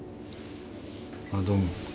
あどうも。